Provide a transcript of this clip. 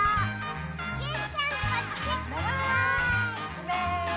うめ？